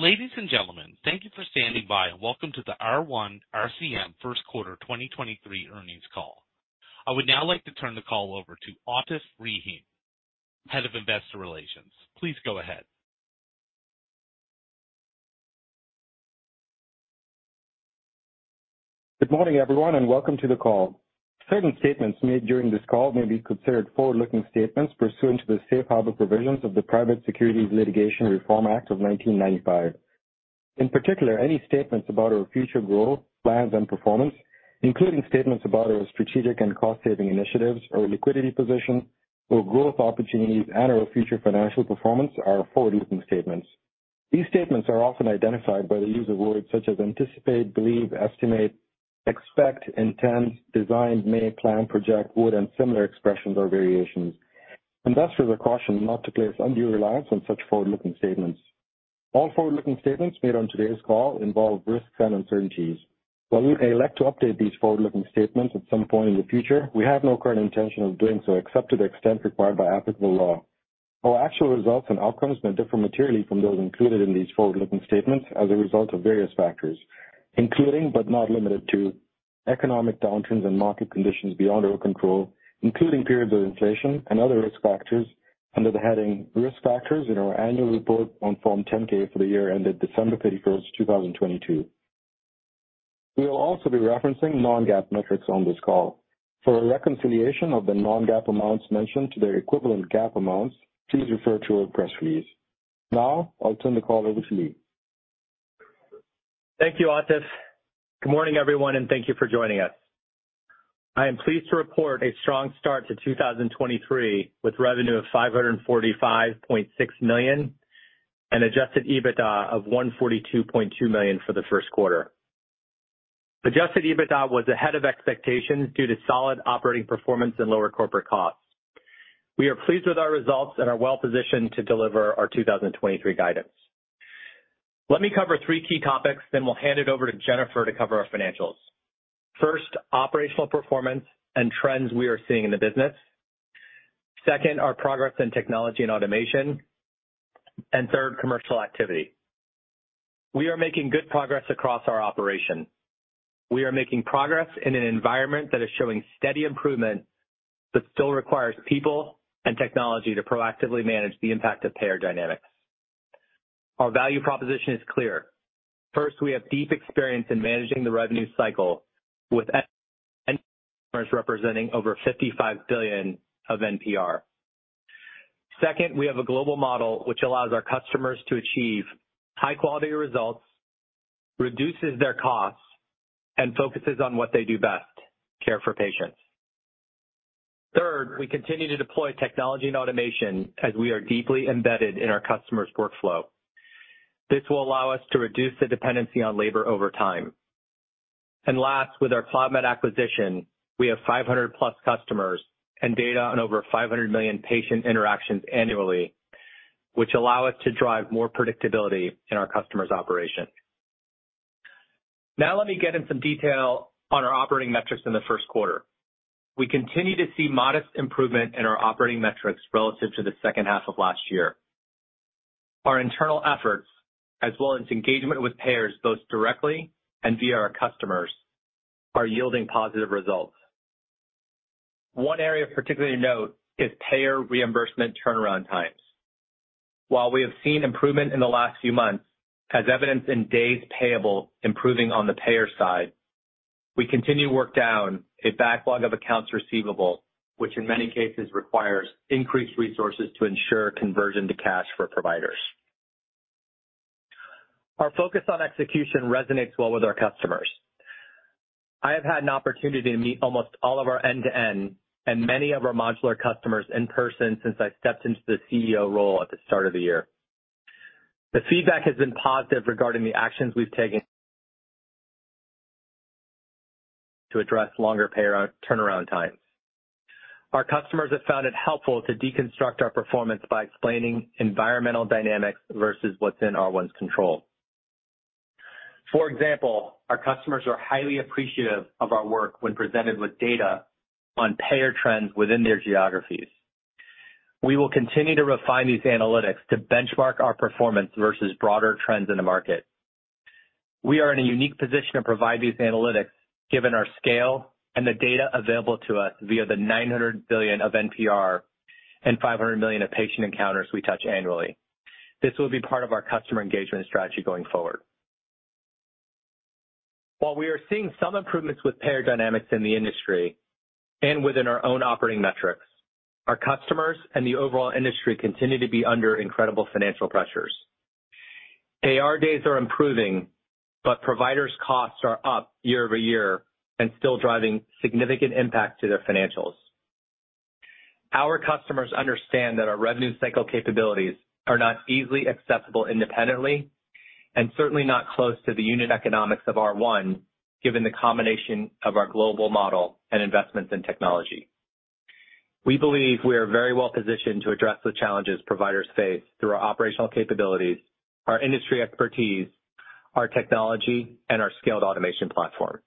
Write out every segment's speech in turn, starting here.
Ladies and gentlemen, thank you for standing by, and welcome to the R1 RCM first quarter 2023 earnings call. I would now like to turn the call over to Atif Rahim, Head of Investor Relations. Please go ahead. Good morning, everyone, and welcome to the call. Certain statements made during this call may be considered forward-looking statements pursuant to the safe harbor provisions of the Private Securities Litigation Reform Act of 1995. In particular, any statements about our future growth, plans, and performance, including statements about our strategic and cost-saving initiatives or liquidity position or growth opportunities and our future financial performance are forward-looking statements. These statements are often identified by the use of words such as anticipate, believe, estimate, expect, intend, design, may, plan, project, would and similar expressions or variations. Investors are cautioned not to place undue reliance on such forward-looking statements. All forward-looking statements made on today's call involve risks and uncertainties. While we may elect to update these forward-looking statements at some point in the future, we have no current intention of doing so, except to the extent required by applicable law. Our actual results and outcomes may differ materially from those included in these forward-looking statements as a result of various factors, including, but not limited to economic downturns and market conditions beyond our control, including periods of inflation and other risk factors under the heading Risk Factors in our annual report on Form 10-K for the year ended December 31, 2022. We will also be referencing non-GAAP metrics on this call. For a reconciliation of the non-GAAP amounts mentioned to their equivalent GAAP amounts, please refer to our press release. I'll turn the call over to Lee. Thank you, Atif. Good morning, everyone, and thank you for joining us. I am pleased to report a strong start to 2023, with revenue of $545.6 million and Adjusted EBITDA of $142.2 million for the first quarter. Adjusted EBITDA was ahead of expectations due to solid operating performance and lower corporate costs. We are pleased with our results and are well-positioned to deliver our 2023 guidance. Let me cover three key topics, then we'll hand it over to Jennifer to cover our financials. First, operational performance and trends we are seeing in the business. Second, our progress in technology and automation. Third, commercial activity. We are making good progress across our operation. We are making progress in an environment that is showing steady improvement, but still requires people and technology to proactively manage the impact of payer dynamics. Our value proposition is clear. First, we have deep experience in managing the revenue cycle representing over $55 billion of NPR. Second, we have a global model which allows our customers to achieve high-quality results, reduces their costs, and focuses on what they do best: care for patients. Third, we continue to deploy technology and automation as we are deeply embedded in our customers' workflow. This will allow us to reduce the dependency on labor over time. Last, with our CloudMed acquisition, we have 500+ customers and data on over 500 million patient interactions annually, which allow us to drive more predictability in our customers' operations Let me get in some detail on our operating metrics in the first quarter. We continue to see modest improvement in our operating metrics relative to the second half of last year. Our internal efforts, as well as engagement with payers, both directly and via our customers, are yielding positive results. One area of particular note is payer reimbursement turnaround times. While we have seen improvement in the last few months, as evidenced in days payable improving on the payer side, we continue to work down a backlog of accounts receivable, which in many cases requires increased resources to ensure conversion to cash for providers. Our focus on execution resonates well with our customers. I have had an opportunity to meet almost all of our end-to-end and many of our modular customers in person since I stepped into the CEO role at the start of the year. The feedback has been positive regarding the actions we've taken to address longer payer turnaround times. Our customers have found it helpful to deconstruct our performance by explaining environmental dynamics versus what's in R1's control. For example, our customers are highly appreciative of our work when presented with data on payer trends within their geographies. We will continue to refine these analytics to benchmark our performance versus broader trends in the market. We are in a unique position to provide these analytics, given our scale and the data available to us via the $900 billion of NPR and 500 million of patient encounters we touch annually. This will be part of our customer engagement strategy going forward. While we are seeing some improvements with payer dynamics in the industry and within our own operating metrics, our customers and the overall industry continue to be under incredible financial pressures. AR days are improving; providers' costs are up year-over-year and still driving significant impact on their financials. Our customers understand that our revenue cycle capabilities are not easily accessible independently and certainly not close to the unit economics of R1, given the combination of our global model and investments in technology. We believe we are very well positioned to address the challenges providers face through our operational capabilities, our industry expertise, our technology, and our scaled automation platform.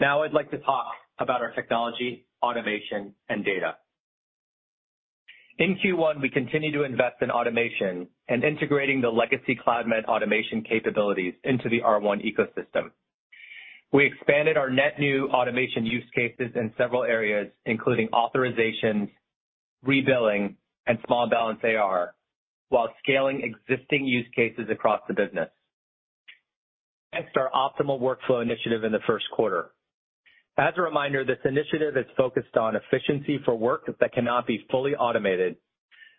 I'd like to talk about our technology, automation, and data. In Q1, we continued to invest in automation and integrating the legacy CloudMed automation capabilities into the R1 ecosystem. We expanded our net new automation use cases in several areas, including authorizations, rebilling, and small balance AR, while scaling existing use cases across the business. Our optimal workflow initiative in the first quarter. As a reminder, this initiative is focused on efficiency for work that cannot be fully automated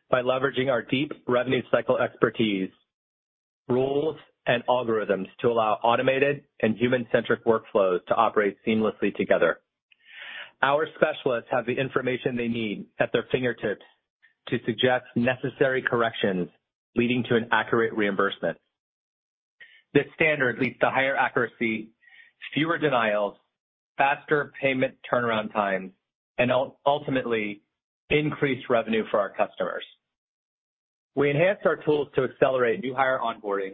by leveraging our deep revenue cycle expertise, rules, and algorithms to allow automated and human-centric workflows to operate seamlessly together. Our specialists have the information they need at their fingertips to suggest necessary corrections, leading to an accurate reimbursement. This standard leads to higher accuracy, fewer denials, faster payment turnaround times, and ultimately increased revenue for our customers. We enhanced our tools to accelerate new hire onboarding,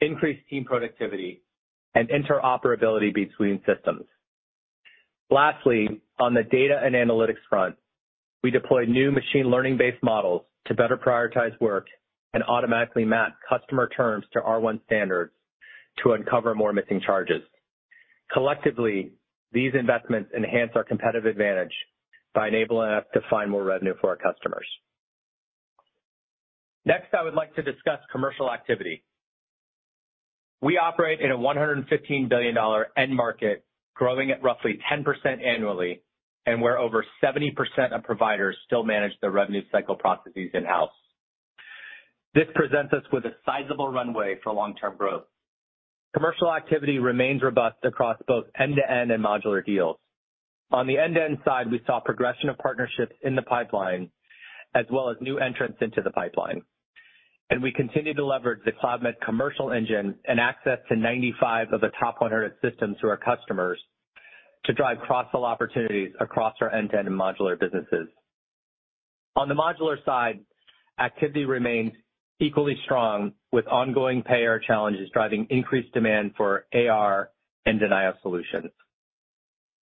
increase team productivity, and interoperability between systems. Lastly, on the data and analytics front, we deployed new machine learning-based models to better prioritize work and automatically map customer terms to R1 standards to uncover more missing charges. Collectively, these investments enhance our competitive advantage by enabling us to find more revenue for our customers. Next, I would like to discuss commercial activity. We operate in a $115 billion end market, growing at roughly 10% annually, where over 70% of providers still manage their revenue cycle processes in-house. This presents us with a sizable runway for long-term growth. Commercial activity remains robust across both end-to-end and modular deals. On the end-to-end side, we saw progression of partnerships in the pipeline as well as new entrants into the pipeline. We continue to leverage the CloudMed commercial engine and access to 95 of the top 100 systems to our customers to drive cross-sell opportunities across our end-to-end and modular businesses. On the modular side, activity remains equally strong with ongoing payer challenges driving increased demand for AR and denial solutions.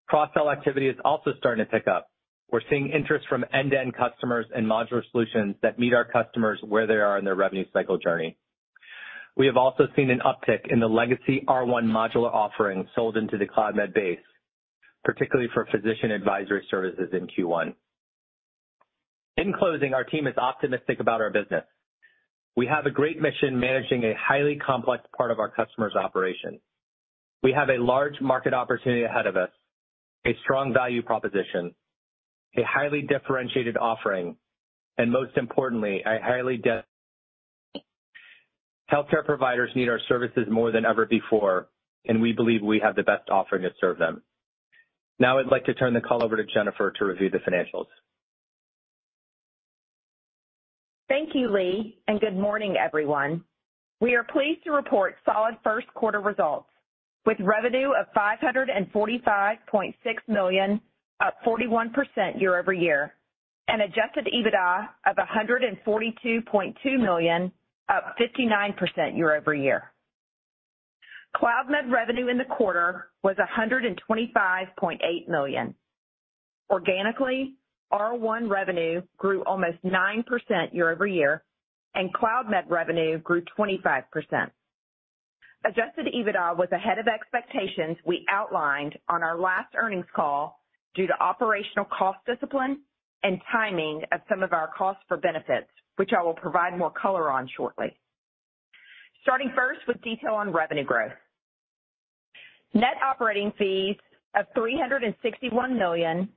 Cross-sell activity is also starting to pick up. We're seeing interest from end-to-end customers and modular solutions that meet our customers where they are in their revenue cycle journey. We have also seen an uptick in the legacy R1 modular offerings sold into the CloudMed base, particularly for Physician Advisory Solutions in Q1. In closing, our team is optimistic about our business. We have a great mission managing a highly complex part of our customers' operation. We have a large market opportunity ahead of us, a strong value proposition, a highly differentiated offering, and most importantly. Healthcare providers need our services more than ever before, and we believe we have the best offering to serve them. Now I'd like to turn the call over to Jennifer to review the financials. Thank you, Lee, and good morning, everyone. We are pleased to report solid first quarter results with revenue of $545.6 million, up 41% year-over-year, and Adjusted EBITDA of $142.2 million, up 59% year-over-year. CloudMed revenue in the quarter was $125.8 million. Organically, R1 revenue grew almost 9% year-over-year, and CloudMed revenue grew 25%. Adjusted EBITDA was ahead of expectations we outlined on our last earnings call due to operational cost discipline and timing of some of our cost for benefits, which I will provide more color on shortly. Starting first with detail on revenue growth. Net operating fees of $361 million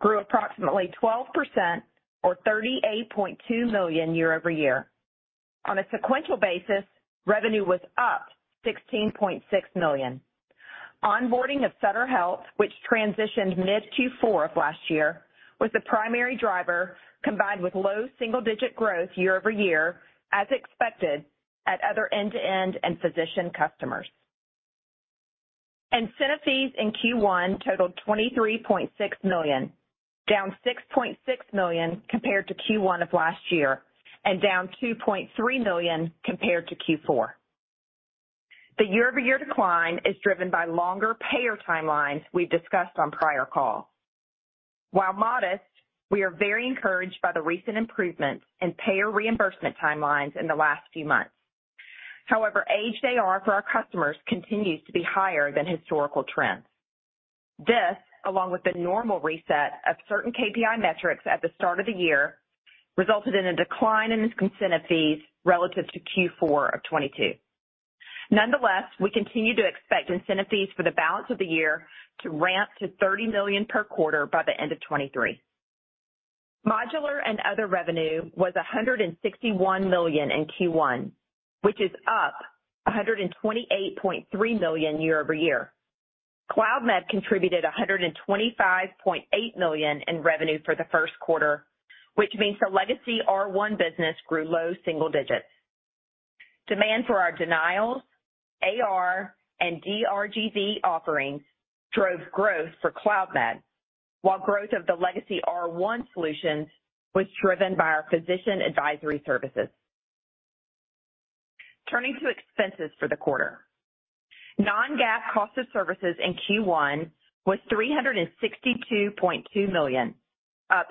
grew approximately 12% or $38.2 million year-over-year. On a sequential basis, revenue was up $16.6 million. Onboarding of Sutter Health, which transitioned mid Q4 of last year, was the primary driver, combined with low single-digit growth year-over-year as expected at other end-to-end and physician customers. Incentive fees in Q1 totaled $23.6 million, down $6.6 million compared to Q1 of last year and down $2.3 million compared to Q4. The year-over-year decline is driven by longer payer timelines we've discussed on prior calls. While modest, we are very encouraged by the recent improvements in payer reimbursement timelines in the last few months. However, aged AR for our customers continues to be higher than historical trends. This, along with the normal reset of certain KPI metrics at the start of the year, resulted in a decline in these consent fees relative to Q4 of '22. Nonetheless, we continue to expect incentive fees for the balance of the year to ramp to $30 million per quarter by the end of 2023. Modular and other revenue was $161 million in Q1, which is up $128.3 million year-over-year. CloudMed contributed $125.8 million in revenue for the first quarter, which means the legacy R1 business grew low single digits. Demand for our denials, AR, and DRG offerings drove growth for CloudMed, while growth of the legacy R1 solutions was driven by our Physician Advisory Solutions. Turning to expenses for the quarter. Non-GAAP cost of services in Q1 was $362.2 million, up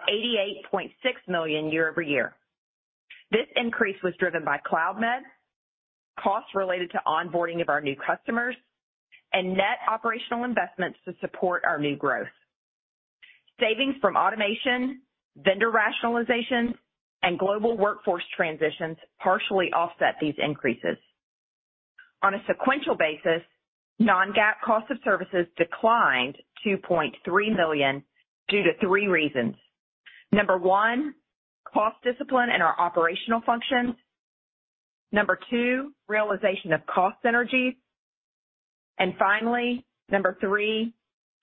$88.6 million year-over-year. This increase was driven by CloudMed, costs related to onboarding of our new customers, and net operational investments to support our new growth. Savings from automation, vendor rationalization, and global workforce transitions partially offset these increases. On a sequential basis, non-GAAP cost of services declined $2.3 million due to 3 reasons. Number one, cost discipline in our operational functions. Number two, realization of cost synergies. Finally, Number three,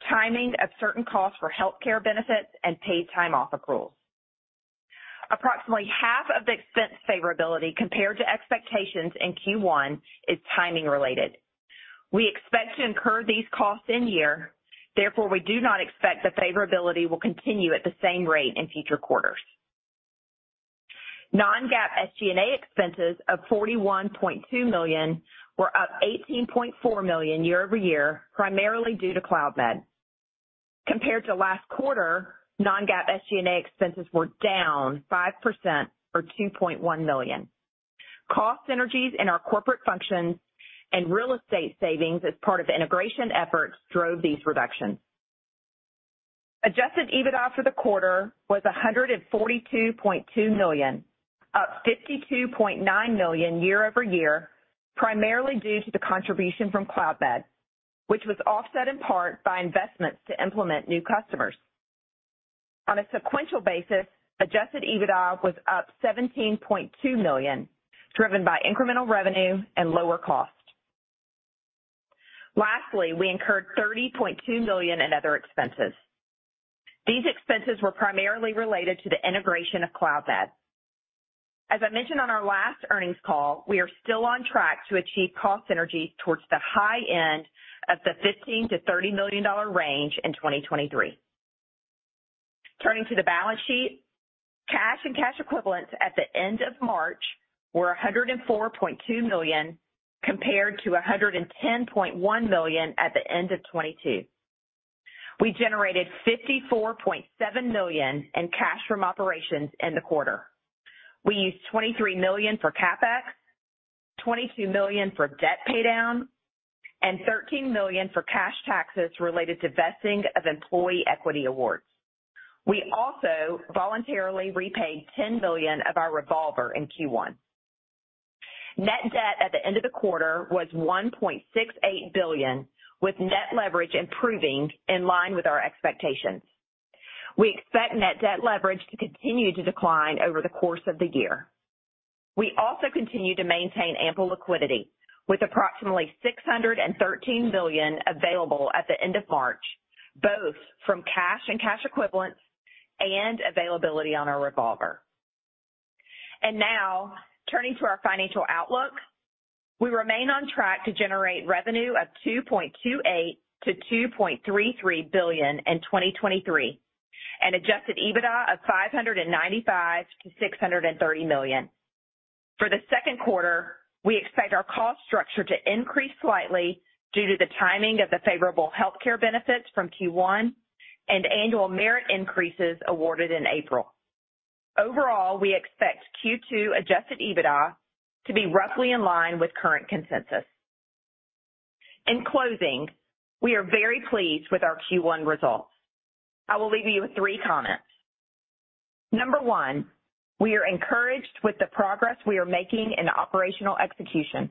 timing of certain costs for healthcare benefits and paid time off accruals. Approximately half of the expense favorability compared to expectations in Q1 is timing related. We expect to incur these costs in year, therefore, we do not expect the favorability will continue at the same rate in future quarters. Non-GAAP SG&A expenses of $41.2 million were up $18.4 million year-over-year, primarily due to CloudMed. Compared to last quarter, non-GAAP SG&A expenses were down 5% or $2.1 million. Cost synergies in our corporate functions and real estate savings as part of integration efforts drove these reductions. Adjusted EBITDA for the quarter was $142.2 million, up $52.9 million year-over-year, primarily due to the contribution from CloudMed, which was offset in part by investments to implement new customers. On a sequential basis, Adjusted EBITDA was up $17.2 million, driven by incremental revenue and lower cost. Lastly, we incurred $30.2 million in other expenses. These expenses were primarily related to the integration of CloudMed. As I mentioned on our last earnings call, we are still on track to achieve cost synergies towards the high end of the $15 million-$30 million range in 2023. Turning to the balance sheet, cash and cash equivalents at the end of March were $104.2 million, compared to $110.1 million at the end of 2022. We generated $54.7 million in cash from operations in the quarter. We used $23 million for CapEx, $22 million for debt paydown, and $13 million for cash taxes related to vesting of employee equity awards. We also voluntarily repaid $10 million of our revolver in Q1. Net debt at the end of the quarter was $1.68 billion, with net leverage improving in line with our expectations. We expect net debt leverage to continue to decline over the course of the year. We also continue to maintain ample liquidity with approximately $613 million available at the end of March, both from cash and cash equivalents and availability on our revolver. Now turning to our financial outlook. We remain on track to generate revenue of $2.28 billion-$2.33 billion in 2023, and Adjusted EBITDA of $595 million-$630 million. For the second quarter, we expect our cost structure to increase slightly due to the timing of the favorable healthcare benefits from Q1 and annual merit increases awarded in April. Overall, we expect Q2 Adjusted EBITDA to be roughly in line with current consensus. In closing, we are very pleased with our Q1 results. I will leave you with 3 comments. Number one, we are encouraged with the progress we are making in operational execution.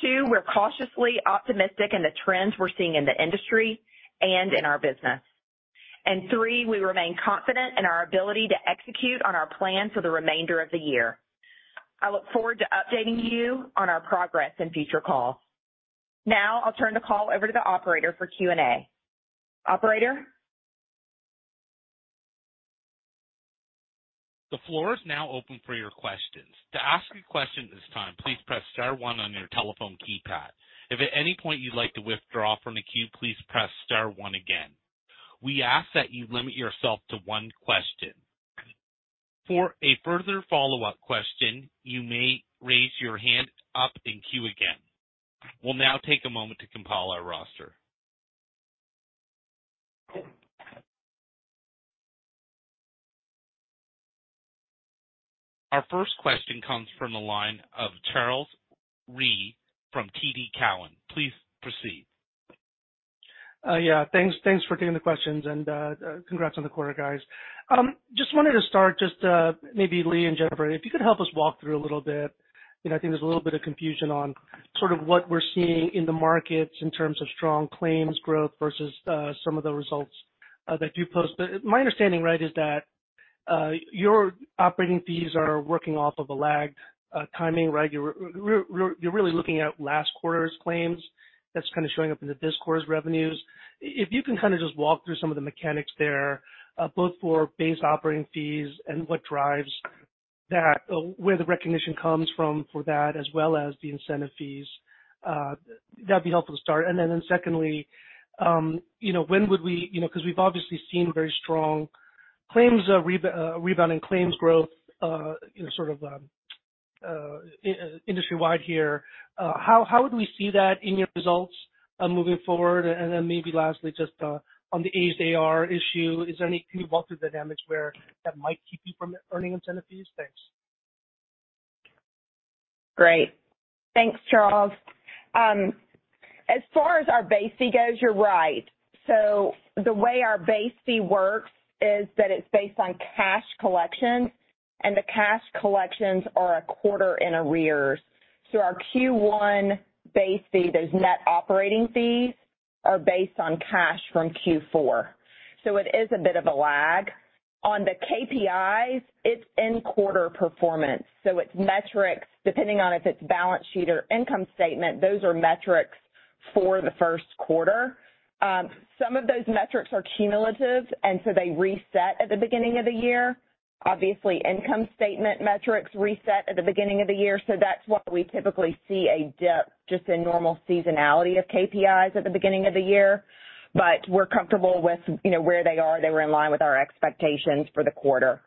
Two, we're cautiously optimistic in the trends we're seeing in the industry and in our business. Three, we remain confident in our ability to execute on our plan for the remainder of the year. I look forward to updating you on our progress in future calls. Now I'll turn the call over to the operator for Q&A. Operator? The floor is now open for your questions. To ask your question at this time, please press star one on your telephone keypad. If at any point you'd like to withdraw from the queue, please press star one again. We ask that you limit yourself to one question. For a further follow-up question, you may raise your hand up and queue again. We'll now take a moment to compile our roster. Our first question comes from the line of Charles Rhyee from TD Cowen. Please proceed. Yeah, thanks for taking the questions and congrats on the quarter, guys. Just wanted to start just, maybe Lee and Jennifer, if you could help us walk through a little bit. You know, I think there's a little bit of confusion on sort of what we're seeing in the markets in terms of strong claims growth versus some of the results that you post. My understanding right is that your operating fees are working off of a lagged timing, right? You're really looking at last quarter's claims that's kind of showing up in the this quarter's revenues. If you can kind of just walk through some of the mechanics there, both for base operating fees and what drives that, where the recognition comes from for that as well as the incentive fees, that'd be helpful to start. Secondly, you know, when would we, you know, because we've obviously seen very strong. Claims rebounding claims growth, you know, sort of, industry wide here, how would we see that in your results, moving forward? Then maybe lastly, just, on the aged AR issue, is there any cumulative damage where that might keep you from earning incentive fees? Thanks. Great. Thanks, Charles. As far as our base fee goes, you're right. The way our base fee works is that it's based on cash collections, and the cash collections are a quarter in arrears. Our Q1 base fee, those net operating fees are based on cash from Q4. It is a bit of a lag. On the KPIs, it's end quarter performance, so it's metrics depending on if it's balance sheet or income statement, those are metrics for the first quarter. Some of those metrics are cumulative, and so they reset at the beginning of the year. Obviously, income statement metrics reset at the beginning of the year. That's why we typically see a dip just in normal seasonality of KPIs at the beginning of the year. We're comfortable with, you know, where they are. They were in line with our expectations for the quarter.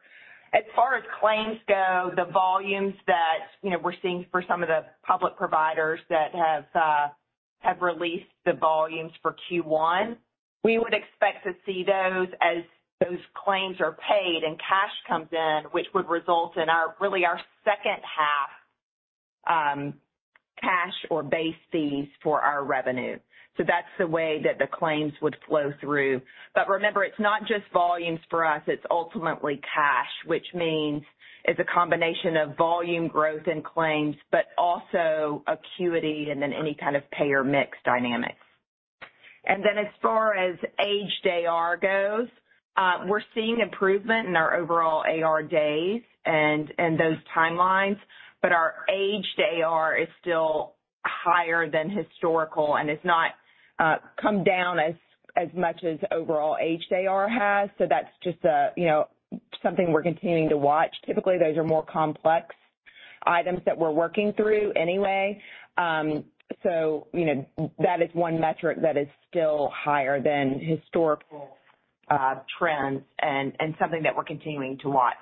As far as claims go, the volumes that, you know, we're seeing for some of the public providers that have released the volumes for Q1, we would expect to see those as those claims are paid and cash comes in, which would result in our really our second half cash or base fees for our revenue. That's the way that the claims would flow through. Remember, it's not just volumes for us, it's ultimately cash, which means it's a combination of volume growth and claims, but also acuity and then any kind of payer mix dynamics. As far as aged AR goes, we're seeing improvement in our overall AR days and those timelines, but our aged AR is still higher than historical, and it's not come down as much as overall aged AR has. That's just a, you know, something we're continuing to watch. Typically, those are more complex items that we're working through anyway. You know, that is one metric that is still higher than historical trends and something that we're continuing to watch.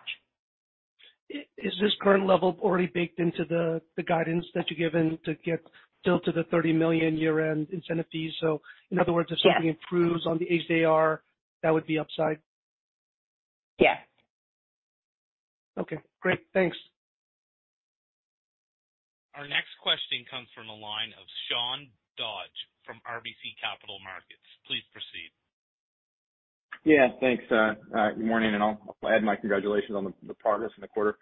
Is this current level already baked into the guidance that you're given to get still to the $30 million year-end incentive fees? Yes. If something improves on the aged AR, that would be upside. Yes. Okay, great. Thanks. Our next question comes from the line of Sean Dodge from RBC Capital Markets. Please proceed. Yeah, thanks. Good morning, I'll add my congratulations on the progress in the quarter.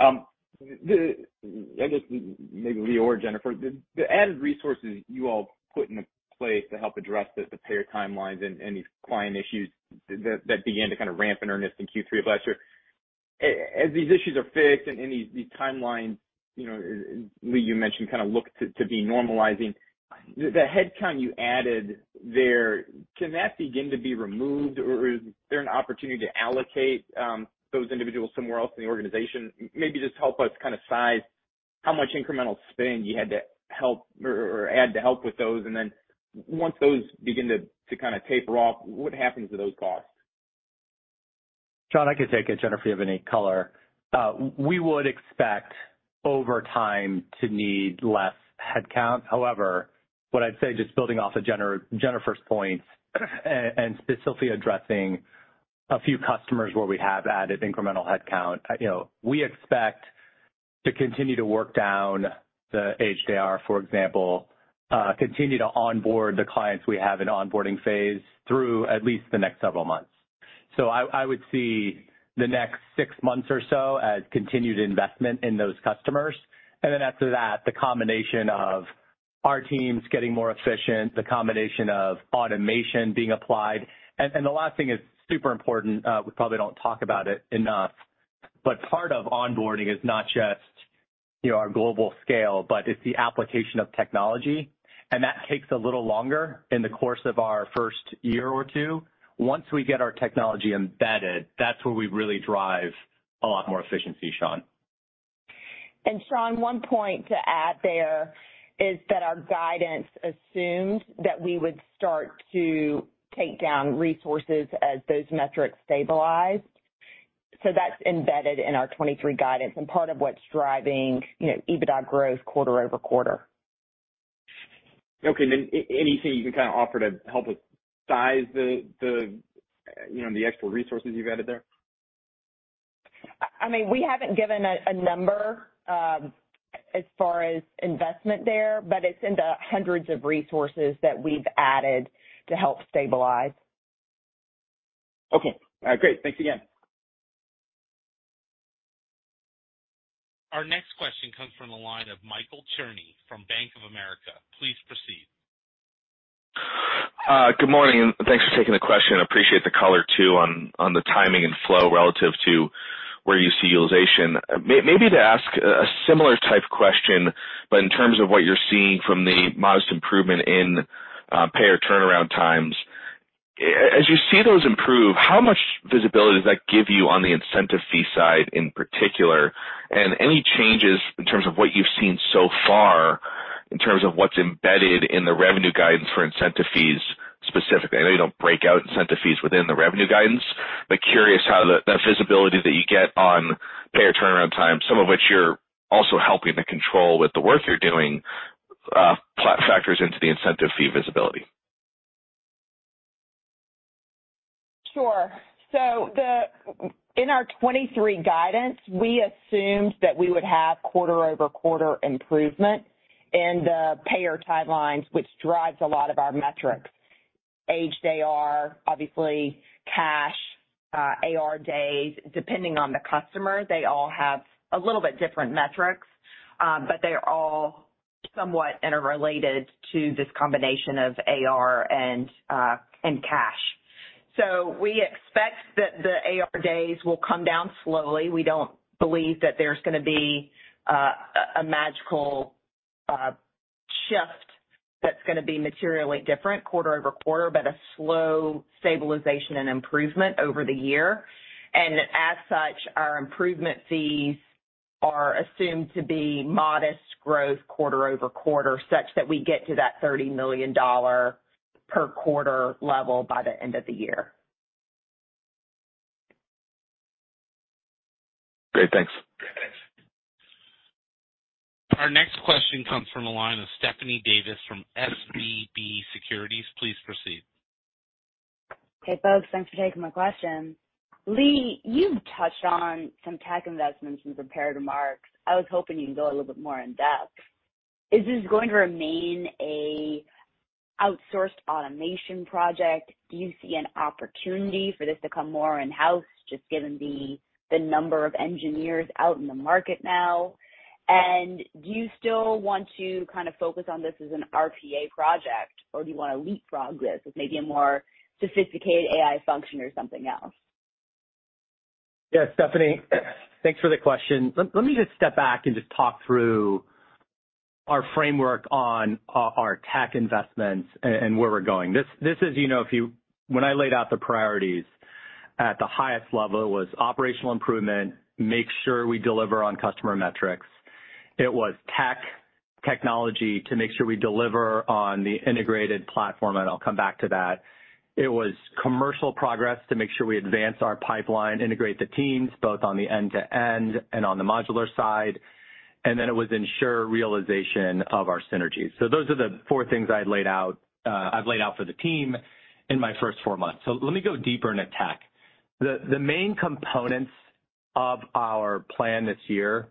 I guess maybe Lee or Jennifer, the added resources you all put into place to help address the payer timelines and these client issues that began to kind of ramp in earnest in Q3 of last year. As these issues are fixed and these timelines, you know, Lee, you mentioned kind of look to be normalizing, the headcount you added there, can that begin to be removed or is there an opportunity to allocate those individuals somewhere else in the organization? Maybe just help us kind of size how much incremental spend you had to help or add to help with those. Once those begin to kind of taper off, what happens to those costs? Sean, I can take it. Jennifer, you have any color. We would expect over time to need less headcount. However, what I'd say, just building off of Jennifer's points and specifically addressing a few customers where we have added incremental headcount, you know, we expect to continue to work down the aged AR, for example, continue to onboard the clients we have in onboarding phase through at least the next several months. I would see the next 6 months or so as continued investment in those customers. After that, the combination of our teams getting more efficient, the combination of automation being applied. The last thing is super important, we probably don't talk about it enough, but part of onboarding is not just, you know, our global scale, but it's the application of technology, and that takes a little longer in the course of our first year or two. Once we get our technology embedded, that's where we really drive a lot more efficiency, Sean. Sean, one point to add there is that our guidance assumes that we would start to take down resources as those metrics stabilize. That's embedded in our 2023 guidance and part of what's driving, you know, EBITDA growth quarter-over-quarter. Okay. Anything you can kind of offer to help us size the, you know, the extra resources you've added there? I mean, we haven't given a number as far as investment there, but it's in the hundreds of resources that we've added to help stabilize. Okay. All right, great. Thanks again. Our next question comes from the line of Michael Cherny from Bank of America. Please proceed. Good morning, and thanks for taking the question. I appreciate the color too on the timing and flow relative to where you see utilization. Maybe to ask a similar type question, but in terms of what you're seeing from the modest improvement in payer turnaround times, as you see those improve, how much visibility does that give you on the incentive fee side in particular? Any changes in terms of what you've seen so far? In terms of what's embedded in the revenue guidance for incentive fees specifically. Curious how the visibility that you get on payer turnaround time, some of which you're also helping to control with the work you're doing, plays into the incentive fee visibility? Sure. In our 2023 guidance, we assumed that we would have quarter-over-quarter improvement in the payer timelines, which drives a lot of our metrics. Aged AR, obviously, cash, AR days, depending on the customer, they all have a little bit different metrics, but they're all somewhat interrelated to this combination of AR and cash. We expect that the AR days will come down slowly. We don't believe that there's gonna be a magical shift that's gonna be materially different quarter-over-quarter, but a slow stabilization and improvement over the year. As such, our improvement fees are assumed to be modest growth quarter-over-quarter, such that we get to that $30 million per quarter level by the end of the year. Great. Thanks. Our next question comes from the line of Stephanie Davis from SVB Securities. Please proceed. Hey, folks. Thanks for taking my question. Lee, you've touched on some tech investments in prepared remarks. I was hoping you can go a little bit more in-depth. Is this going to remain a outsourced automation project? Do you see an opportunity for this to come more in-house, just given the number of engineers out in the market now? Do you still want to kind of focus on this as an RPA project, or do you wanna leapfrog this with maybe a more sophisticated AI function or something else? Yeah, Stephanie. Thanks for the question. Let me just step back and just talk through our framework on our tech investments and where we're going. This is, you know, when I laid out the priorities at the highest level was operational improvement, make sure we deliver on customer metrics. It was technology to make sure we deliver on the integrated platform, and I'll come back to that. It was commercial progress to make sure we advance our pipeline, integrate the teams, both on the end-to-end and on the modular side. Then it was ensure realization of our synergies. Those are the four things I had laid out, I've laid out for the team in my first four months. Let me go deeper into tech. The main components of our plan this year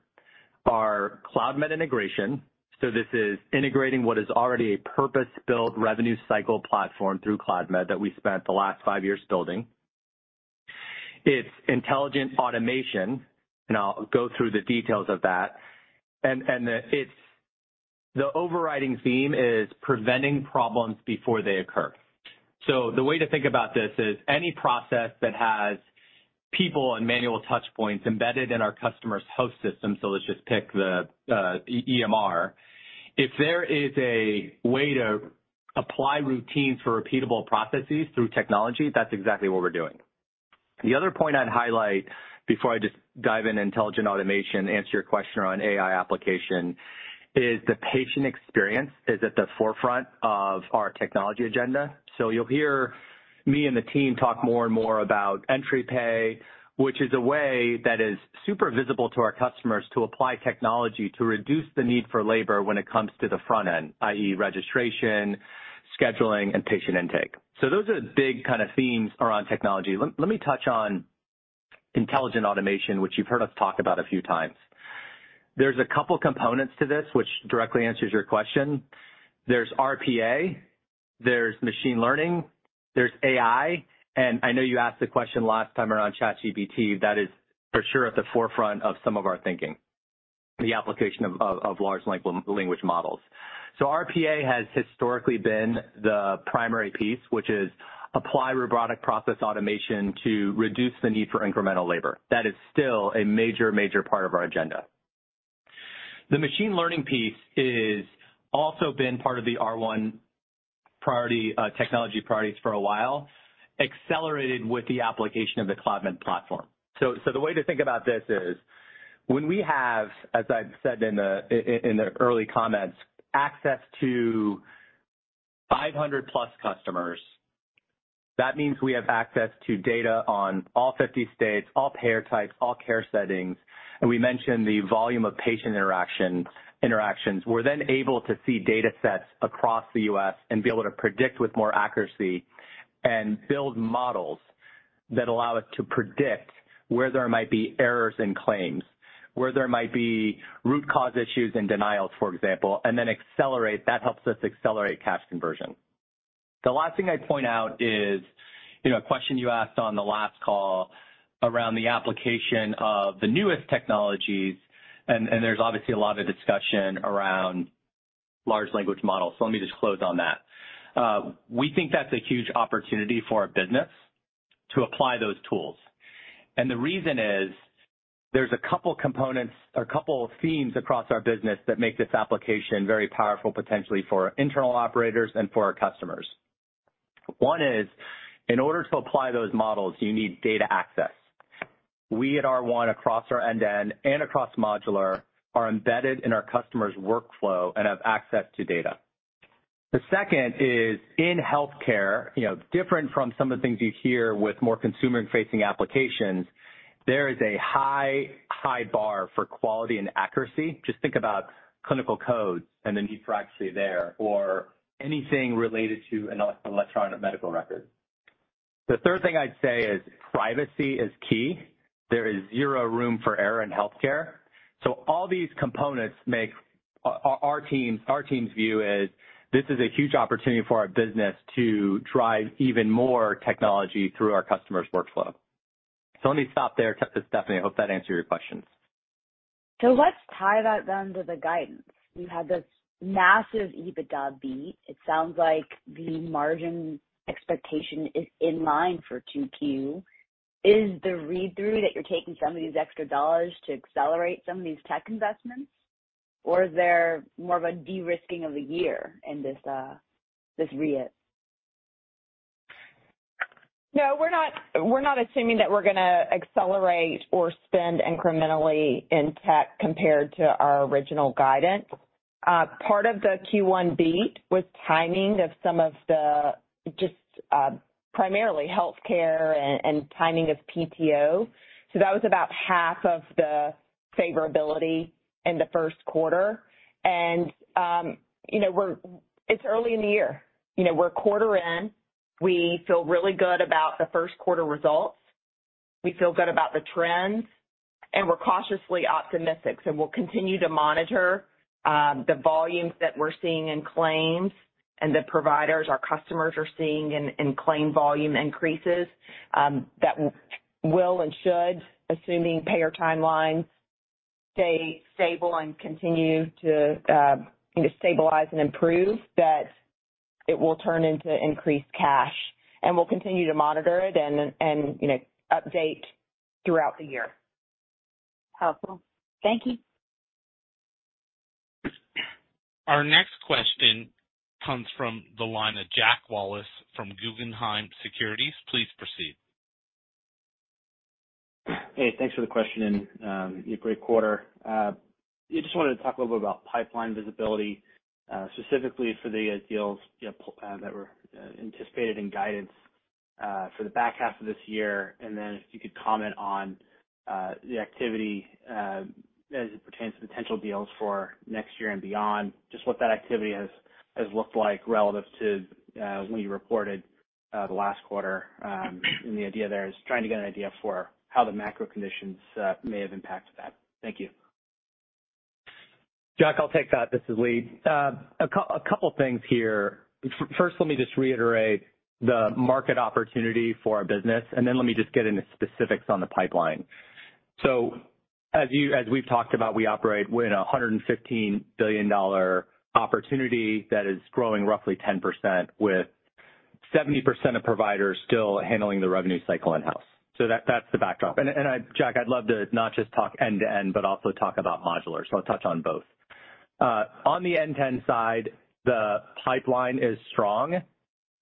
are CloudMed integration. This is integrating what is already a purpose-built revenue cycle platform through CloudMed that we spent the last five years building. It's intelligent automation, and I'll go through the details of that. The overriding theme is preventing problems before they occur. The way to think about this is any process that has people and manual touch points embedded in our customer's host system, so let's just pick the EMR. If there is a way to apply routines for repeatable processes through technology, that's exactly what we're doing. The other point I'd highlight before I just dive into intelligent automation, answer your question around AI application, is the patient experience is at the forefront of our technology agenda. You'll hear me and the team talk more and more about Entri which is a way that is super visible to our customers to apply technology to reduce the need for labor when it comes to the front end, i.e., registration, scheduling, and patient intake. Those are the big kinda themes around technology. Let me touch on intelligent automation, which you've heard us talk about a few times. There's a couple components to this which directly answers your question. There's RPA, there's machine learning, there's AI, and I know you asked the question last time around ChatGPT, that is for sure at the forefront of some of our thinking, the application of large language models. RPA has historically been the primary piece, which is apply robotic process automation to reduce the need for incremental labor. That is still a major part of our agenda. The machine learning piece is also been part of the R1 priority, technology priorities for a while, accelerated with the application of the CloudMed platform. The way to think about this is when we have, as I've said in the early comments, access to 500 plus customers, that means we have access to data on all 50 states, all payer types, all care settings, and we mentioned the volume of patient interactions. We're then able to see datasets across the U.S. and be able to predict with more accuracy and build models that allow us to predict where there might be errors in claims, where there might be root cause issues and denials, for example, and then accelerate. That helps us accelerate cash conversion. The last thing I'd point out is, you know, a question you asked on the last call around the application of the newest technologies, and there's obviously a lot of discussion around large language models, so let me just close on that. We think that's a huge opportunity for our business to apply those tools. The reason is there's a couple components or a couple themes across our business that make this application very powerful, potentially for internal operators and for our customers. One is, in order to apply those models, you need data access. We at R1 across our end-to-end and across modular are embedded in our customer's workflow and have access to data. The second is in healthcare, you know, different from some of the things you hear with more consumer-facing applications, there is a high bar for quality and accuracy. Just think about clinical codes and the need for accuracy there or anything related to an electronic medical record. The third thing I'd say is privacy is key. There is 0 room for error in healthcare. All these components. Our team's view is that this is a huge opportunity for our business to drive even more technology through our customers' workflow. Let me stop there. This is Stephanie. I hope that answered your questions. Let's tie that then to the guidance. You had this massive EBITDA beat. It sounds like the margin expectation is in line for 2Q. Is the read-through that you're taking some of these extra dollars to accelerate some of these tech investments? Or is there more of a de-risking of the year in this re-rate? No, we're not, we're not assuming that we're gonna accelerate or spend incrementally in tech compared to our original guidance. Part of the Q1 beat was timing of some of the primarily healthcare items and timing of PTO. That was about half of the favorability in the first quarter. You know, it's early in the year. You know, we're a quarter in. We feel really good about the first quarter results. We feel good about the trends, and we're cautiously optimistic. We'll continue to monitor the volumes that we're seeing in claims and the providers our customers are seeing in claim volume increases that will and should, assuming payer timelines stay stable and continue to, you know, stabilize and improve, that it will turn into increased cash. We'll continue to monitor it and, you know, update throughout the year. Helpful. Thank you. Our next question comes from the line of Jack Wallace from Guggenheim Securities. Please proceed. Hey, thanks for the question and your great quarter. Just wanted to talk a little bit about pipeline visibility, specifically for the deals, you know, that were anticipated in guidance for the back half of this year, and then if you could comment on the activity as it pertains to potential deals for next year and beyond, just what that activity has looked like relative to when you reported the last quarter. The idea there is trying to get an idea for how the macro conditions may have impacted that. Thank you. Jack, I'll take that. This is Lee. A couple things here. First, let me just reiterate the market opportunity for our business, and then let me just get into specifics on the pipeline. As we've talked about, we operate within a $115 billion opportunity that is growing roughly 10%, with 70% of providers still handling the revenue cycle in-house. That's the backdrop. Jack, I'd love to not just talk end-to-end but also talk about modular, so I'll touch on both. On the end-to-end side, the pipeline is strong,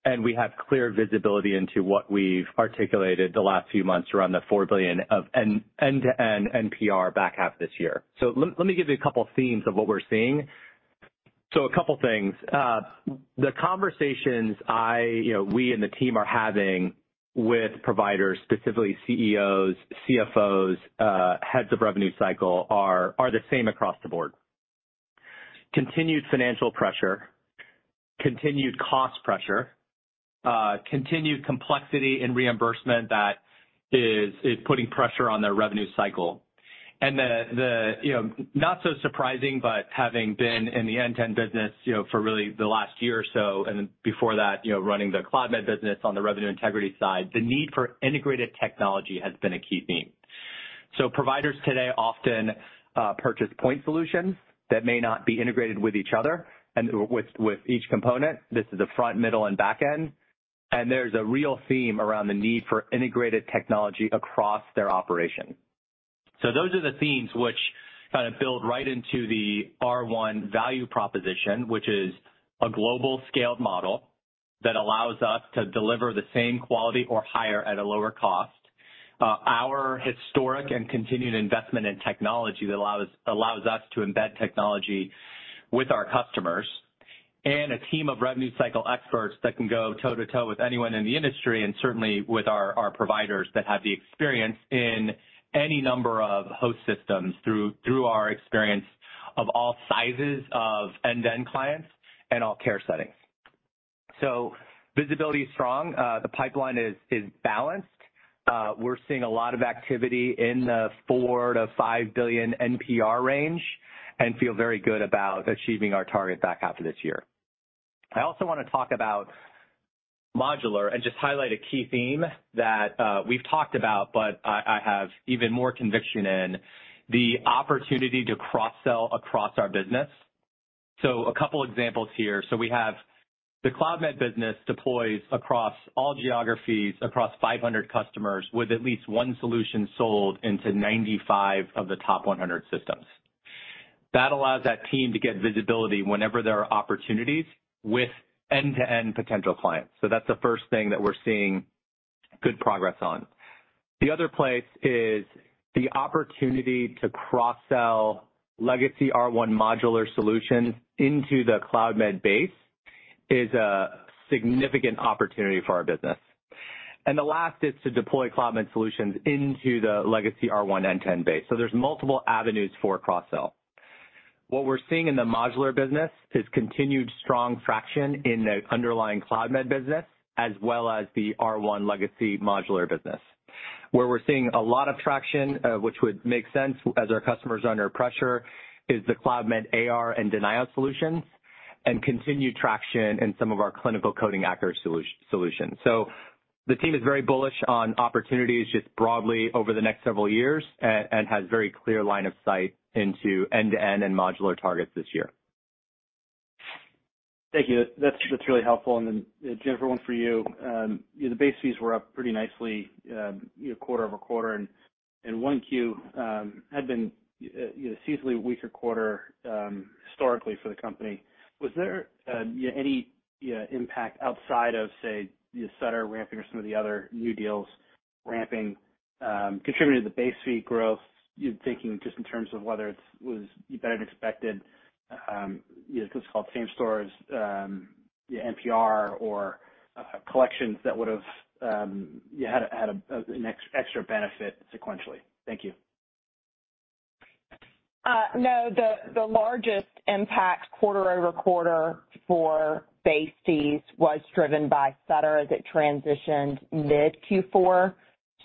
and we have clear visibility into what we've articulated the last few months around the $4 billion of end-to-end NPR back half of this year. Let me give you a couple themes of what we're seeing. A couple things. The conversations I, you know, we and the team are having with providers, specifically CEOs, CFOs, heads of revenue cycle, are the same across the board. Continued financial pressure, continued cost pressure, continued complexity in reimbursement that is putting pressure on their revenue cycle. The, you know, not so surprising, but having been in the end-to-end business, you know, for really the last year or so and before that, you know, running the CloudMed business on the revenue integrity side, the need for integrated technology has been a key theme. Providers today often purchase point solutions that may not be integrated with each other and with each component. This is the front, middle, and back end. There's a real theme around the need for integrated technology across their operation. Those are the themes which kind of build right into the R1 value proposition, which is a global scaled model that allows us to deliver the same quality or higher at a lower cost. Our historic and continued investment in technology that allows us to embed technology with our customers and a team of revenue cycle experts that can go toe-to-toe with anyone in the industry and certainly with our providers that have the experience in any number of host systems through our experience of all sizes of end-to-end clients and all care settings. Visibility is strong. The pipeline is balanced. We're seeing a lot of activity in the 4 billion-5 billion NPR range and feel very good about achieving our target back half of this year. I also wanna talk about modular and just highlight a key theme that we've talked about, but I have even more conviction in the opportunity to cross-sell across our business. A couple examples here. We have the CloudMed business deploys across all geographies, across 500 customers with at least one solution sold into 95 of the top 100 systems. That allows that team to get visibility whenever there are opportunities with end-to-end potential clients. That's the first thing that we're seeing good progress on. The other place is the opportunity to cross-sell legacy R1 modular solutions into the CloudMed base is a significant opportunity for our business. The last is to deploy CloudMed solutions into the legacy R1 end-to-end base. There's multiple avenues for cross-sell. What we're seeing in the modular business is continued strong traction in the underlying CloudMed business, as well as the R1 legacy modular business. Where we're seeing a lot of traction, which would make sense as our customers are under pressure, is the CloudMed AR and denial solutions, and continued traction in some of our clinical coding accuracy solutions. The team is very bullish on opportunities just broadly over the next several years and has very clear line of sight into end-to-end and modular targets this year. Thank you. That's really helpful. Then, Jennifer, one for you. The base fees were up pretty nicely quarter-over-quarter, and 1Q had been, you know, seasonally a weaker quarter historically for the company. Was there, you know, any, you know, impact outside of, say, the Sutter ramping or some of the other new deals ramping contributing to the base fee growth? You know, thinking just in terms of whether it was better than expected, you know, what's called same-stores NPR or collections that would've, you know, had an extra benefit sequentially. Thank you. No, the largest impact quarter over quarter for base fees was driven by Sutter that transitioned mid Q4.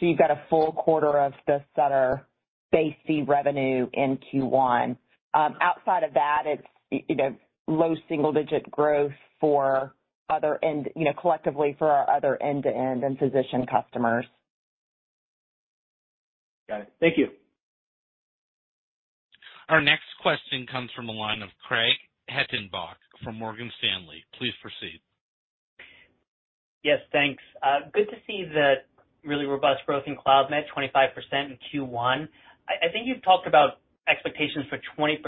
You've got a full quarter of the Sutter base fee revenue in Q1. Outside of that, it's low single-digit growth collectively for our other end-to-end and physician customers. Got it. Thank you. Our next question comes from the line of Craig Hettenbach from Morgan Stanley. Please proceed. Yes, thanks. Good to see the really robust growth in CloudMed, 25% in Q1. I think you've talked about expectations for 20%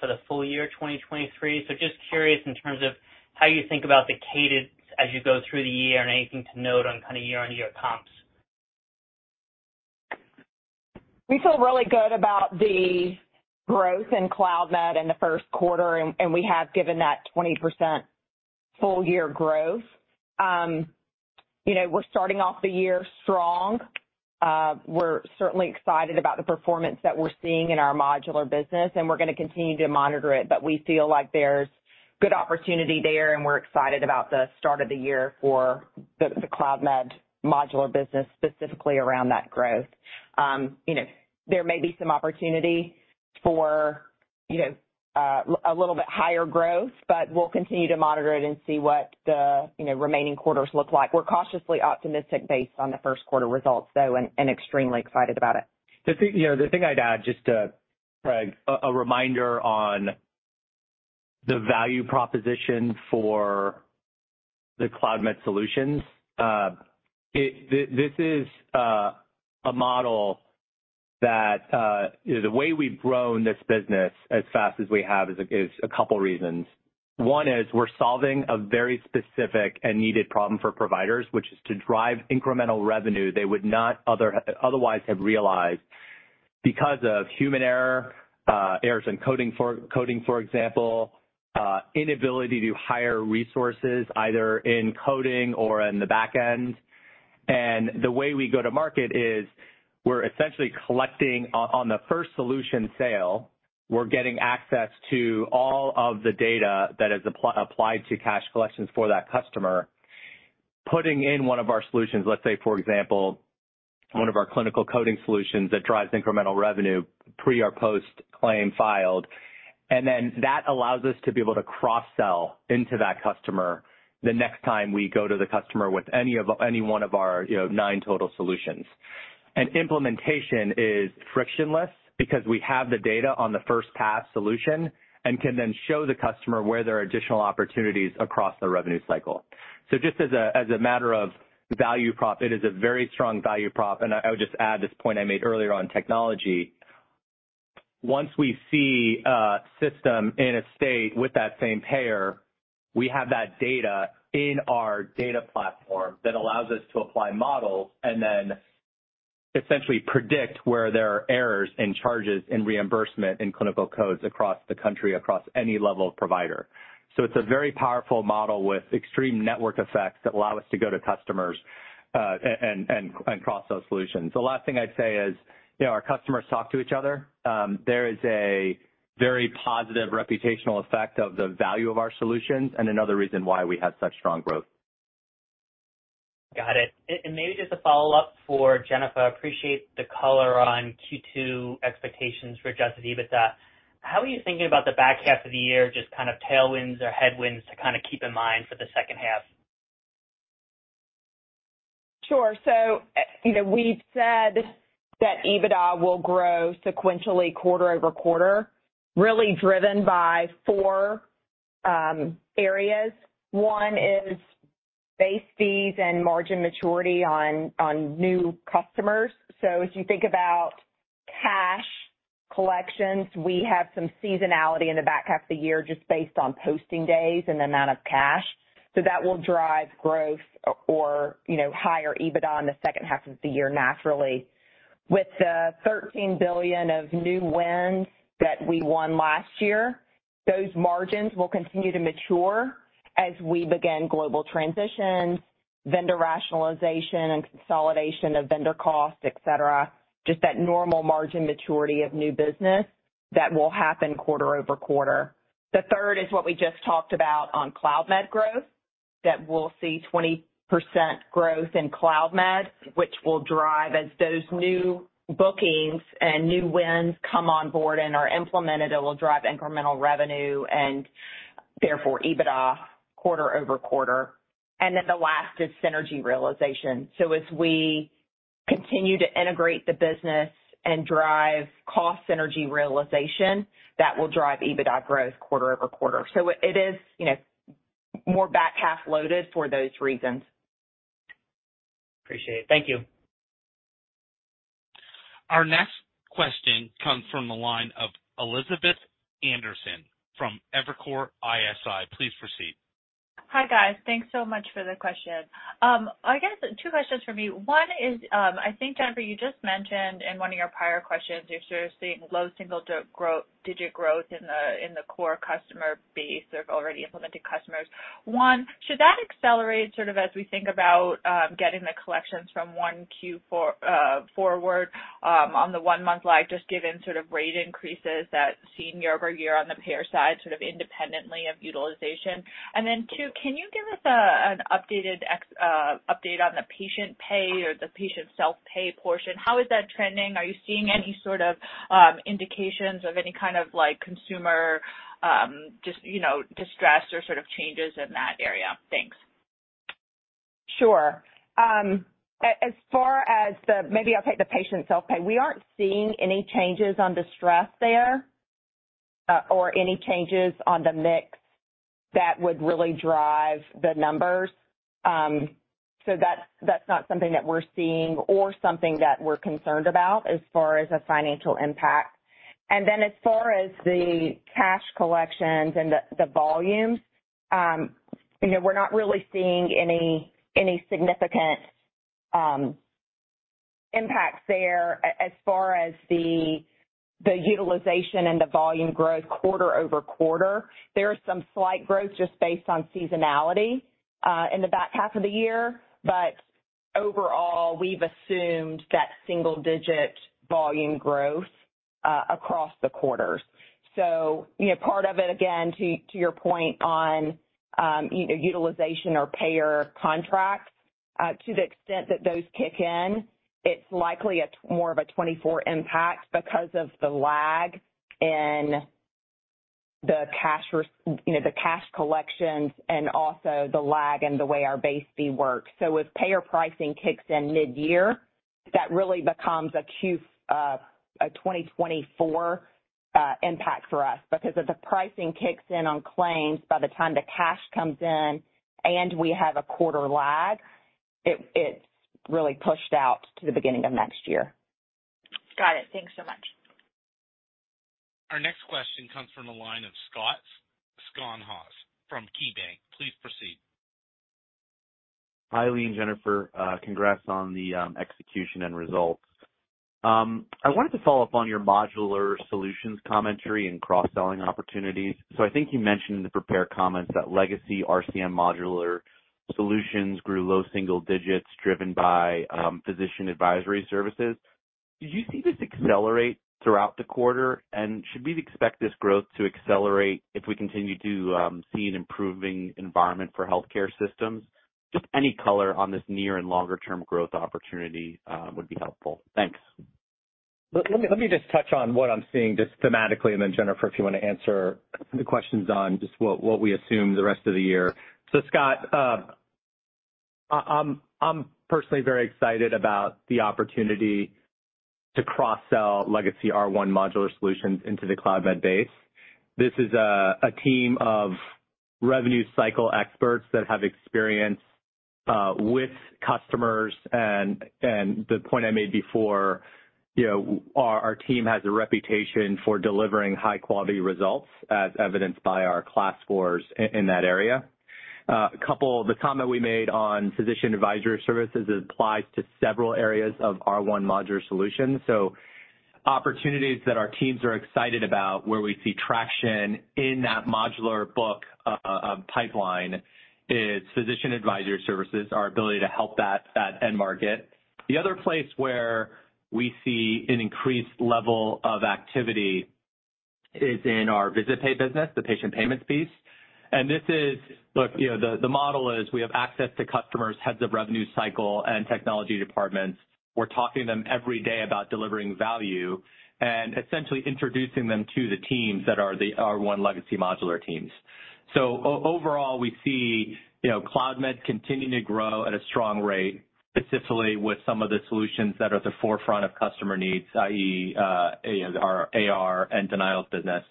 for the full year 2023. Just curious in terms of how you think about the cadence as you go through the year and anything to note on kind of year-over-year comps? We feel really good about the growth in CloudMed in the first quarter, and we have given that 20% full year growth. You know, we're starting off the year strong. We're certainly excited about the performance that we're seeing in our modular business, and we're gonna continue to monitor it. We feel like there's good opportunity there, and we're excited about the start of the year for the CloudMed modular business, specifically around that growth. You know, there may be some opportunity for, you know, a little bit higher growth, but we'll continue to monitor it and see what the, you know, remaining quarters look like. We're cautiously optimistic based on the first quarter results, though, and extremely excited about it. The thing, you know, the thing I'd add just to Craig, a reminder on the value proposition for the CloudMed solutions. This is a model that, you know, the way we've grown this business as fast as we have is a couple reasons. One is we're solving a very specific and needed problem for providers, which is to drive incremental revenue they would not otherwise have realized because of human error, errors in coding, for example, inability to hire resources either in coding or in the back end. The way we go to market is we're essentially collecting on the first solution sale, we're getting access to all of the data that is applied to cash collections for that customer. Putting in one of our solutions, let's say, for example, one of our clinical coding solutions that drives incremental revenue pre or post claim filed. That allows us to be able to cross-sell into that customer the next time we go to the customer with any one of our, you know, nine total solutions. Implementation is frictionless because we have the data on the first pass solution and can then show the customer where there are additional opportunities across the revenue cycle. Just as a matter of value prop, it is a very strong value prop. I would just add this point I made earlier on technology. Once we see a system in a state with that same payer, we have that data in our data platform that allows us to apply models and then essentially predict where there are errors in charges and reimbursement in clinical codes across the country, across any level of provider. It's a very powerful model with extreme network effects that allow us to go to customers and cross-sell solutions. The last thing I'd say is, you know, our customers talk to each other. There is a very positive reputational effect of the value of our solutions and another reason why we have such strong growth. Got it. Maybe just a follow-up for Jennifer. Appreciate the color on Q2 expectations for Adjusted EBITDA. How are you thinking about the back half of the year, just kind of tailwinds or headwinds to kind of keep in mind for the second half? Sure. You know, we've said that EBITDA will grow sequentially quarter-over-quarter, really driven by 4 areas. Base fees and margin maturity on new customers. As you think about cash collections, we have some seasonality in the back half of the year just based on posting days and amount of cash. That will drive growth or, you know, higher EBITDA in the second half of the year naturally. With the $13 billion of new wins that we won last year, those margins will continue to mature as we begin global transitions, vendor rationalization, and consolidation of vendor costs, et cetera. Just that normal margin maturity of new business that will happen quarter-over-quarter. The third is what we just talked about on CloudMed growth, that we'll see 20% growth in CloudMed, which will drive as those new bookings and new wins come on board and are implemented, it will drive incremental revenue and therefore EBITDA quarter-over-quarter. The last is synergy realization. As we continue to integrate the business and drive cost synergy realization, that will drive EBITDA growth quarter-over-quarter. It is, you know, more back half loaded for those reasons. Appreciate it. Thank you. Our next question comes from the line of Elizabeth Anderson from Evercore ISI. Please proceed. Hi, guys. Thanks so much for the question. I guess 2 questions from me. One is, I think, Jennifer, you just mentioned in one of your prior questions, you're sort of seeing low single digit growth in the core customer base or already implemented customers. Should that accelerate sort of as we think about getting the collections from 1Q forward on the 1-month lag, just given sort of rate increases that seen year-over-year on the payer side, sort of independently of utilization? 2, can you give us an updated update on the patient pay or the patient self-pay portion? How is that trending? Are you seeing any sort of indications of any kind of like consumer, you know, distress or sort of changes in that area? Thanks. Sure. As far as the patient self-pay. We aren't seeing any changes on distress there or any changes on the mix that would really drive the numbers. That's not something that we're seeing or something that we're concerned about as far as a financial impact. As far as the cash collections and the volumes, you know, we're not really seeing any significant impacts there as far as the utilization and the volume growth quarter-over-quarter. There is some slight growth just based on seasonality in the back half of the year. Overall, we've assumed that single-digit volume growth across the quarters. You know, part of it, again, to your point on, you know, utilization or payer contracts, to the extent that those kick in, it's likely more of a 2024 impact because of the lag in the cash collections and also the lag in the way our base fee works. If payer pricing kicks in mid-year, that really becomes a Q, a 2024 impact for us because if the pricing kicks in on claims by the time the cash comes in and we have a quarter lag, it's really pushed out to the beginning of next year. Got it. Thanks so much. Our next question comes from the line of Scott Schoenhaus from KeyBanc. Please proceed. Hi, Lee and Jennifer. Congrats on the execution and results. I wanted to follow up on your modular solutions commentary and cross-selling opportunities. I think you mentioned in the prepared comments that legacy RCM modular solutions grew low single digits driven by Physician Advisory Solutions. Did you see this accelerate throughout the quarter? Should we expect this growth to accelerate if we continue to see an improving environment for healthcare systems? Just any color on this near and longer term growth opportunity would be helpful. Thanks. Let me just touch on what I'm seeing just thematically, and then Jennifer, if you wanna answer the questions on just what we assume the rest of the year. Scott, I'm personally very excited about the opportunity to cross-sell legacy R1 modular solutions into the CloudMed base. This is a team of revenue cycle experts that have experience with customers and the point I made before, you know, our team has a reputation for delivering high-quality results as evidenced by our KLAS scores in that area. The comment we made on Physician Advisory Services applies to several areas of R1 modular solutions. Opportunities that our teams are excited about where we see traction in that modular book, pipeline is Physician Advisory Services, our ability to help that end market. The other place where we see an increased level of activity is in our VisitPay business, the patient payments piece. Look, you know, the model is we have access to customers, heads of revenue cycle and technology departments. We're talking to them every day about delivering value and essentially introducing them to the teams that are the R1 legacy modular teams. Overall, we see, you know, CloudMed continuing to grow at a strong rate, specifically with some of the solutions that are at the forefront of customer needs, i.e., you know, our AR and denial business.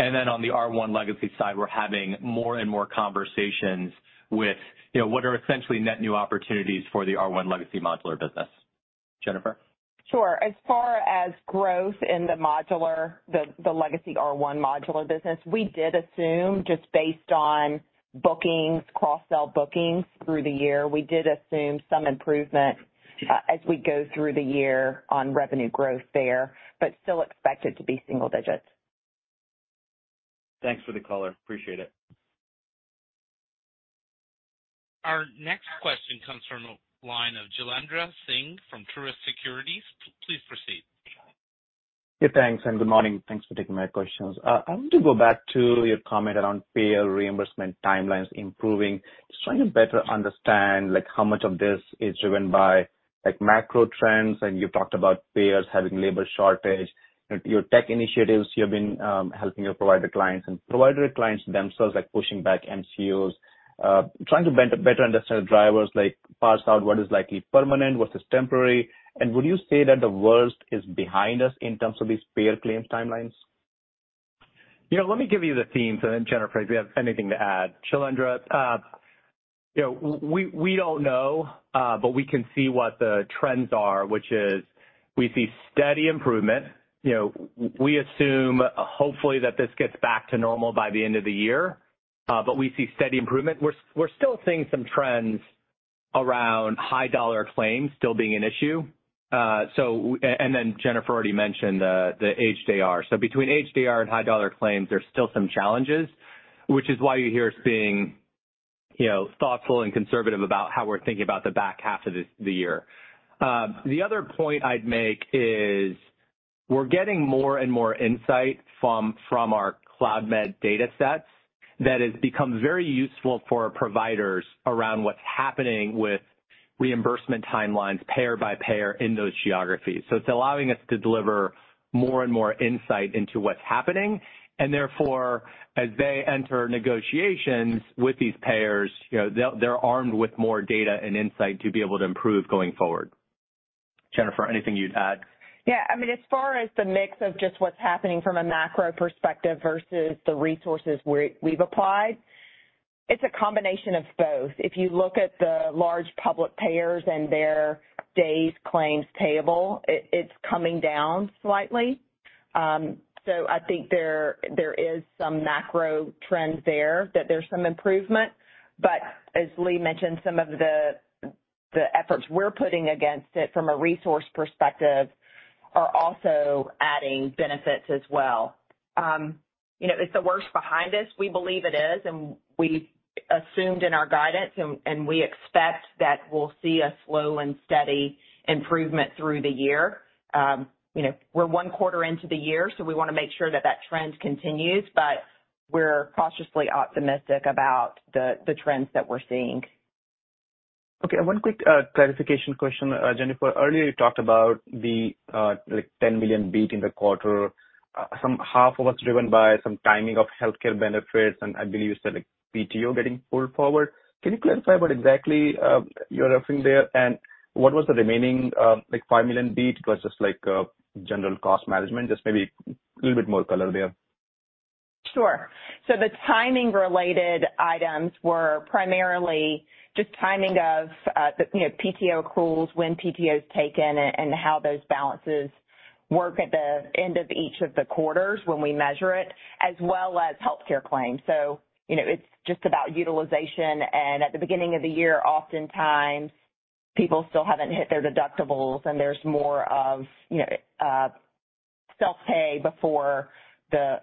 On the R1 legacy side, we're having more and more conversations with, you know, what are essentially net new opportunities for the R1 legacy modular business. Jennifer? Sure. As far as growth in the modular, the legacy R1 modular business, we did assume, just based on bookings, cross-sell bookings through the year, we did assume some improvement, as we go through the year on revenue growth there, but still expect it to be single digits. Thanks for the color. Appreciate it. Our next question comes from the line of Jailendra Singh from Truist Securities. Please proceed. Yeah, thanks, and good morning. Thanks for taking my questions. I want to go back to your comment around payer reimbursement timelines improving. Just trying to better understand, like, how much of this is driven by, like, macro trends, and you talked about payers having labor shortage. Your tech initiatives, you have been helping your provider clients, and provider clients themselves, like, pushing back MCOs. Trying to better understand the drivers, like, parse out what is likely permanent, what is temporary. Would you say that the worst is behind us in terms of these payer claims timelines? You know, let me give you the themes, and then Jennifer, if you have anything to add. Jailendra, you know, we don't know, but we can see what the trends are, which is we see steady improvement. You know, we assume hopefully that this gets back to normal by the end of the year, but we see steady improvement. We're still seeing some trends around high dollar claims still being an issue. Jennifer already mentioned the HDAR. Between HDAR and high dollar claims, there's still some challenges, which is why you hear us being, you know, thoughtful and conservative about how we're thinking about the back half of the year. The other point I'd make is we're getting more and more insight from our CloudMed data sets that has become very useful for our providers around what's happening with reimbursement timelines payer by payer in those geographies. It's allowing us to deliver more and more insight into what's happening, and therefore, as they enter negotiations with these payers, you know, they're armed with more data and insight to be able to improve going forward. Jennifer, anything you'd add? Yeah. I mean, as far as the mix of just what's happening from a macro perspective versus the resources we've applied, it's a combination of both. If you look at the large public payers and their days claims payable, it's coming down slightly. I think there is some macro trends there that there's some improvement. As Lee mentioned, some of the efforts we're putting against it from a resource perspective are also adding benefits as well. You know, is the worst behind us? We believe it is, and we assumed in our guidance, and we expect that we'll see a slow and steady improvement through the year. You know, we're one quarter into the year, so we wanna make sure that that trend continues, but we're cautiously optimistic about the trends that we're seeing. Okay, one quick clarification question. Jennifer, earlier you talked about the, like, $10 million beat in the quarter. Some half of it's driven by some timing of healthcare benefits, and I believe you said, like, PTO getting pulled forward. Can you clarify what exactly you're referring there? What was the remaining, like, $5 million beat? Was just like, general cost management? Just maybe a little bit more color there. Sure. The timing related items were primarily just timing of the, you know, PTO accruals, when PTO is taken, and how those balances work at the end of each of the quarters when we measure it, as well as healthcare claims. You know, it's just about utilization, and at the beginning of the year, oftentimes people still haven't hit their deductibles and there's more of, you know, self-pay before the